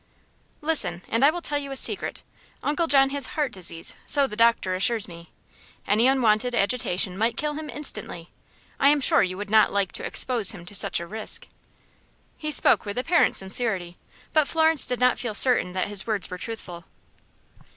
"Listen, and I will tell you a secret; Uncle John has heart disease, so the doctor assures me. Any unwonted agitation might kill him instantly. I am sure you would not like to expose him to such a risk." He spoke with apparent sincerity, but Florence did not feel certain that his words were truthful.